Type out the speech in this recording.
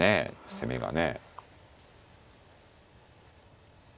攻めがね。